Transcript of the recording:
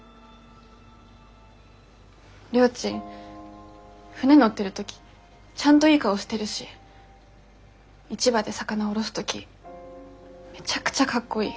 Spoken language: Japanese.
りょーちん船乗ってる時ちゃんといい顔してるし市場で魚降ろす時めちゃくちゃかっこいい。